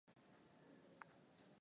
aa kwenye uchaguzi ambapo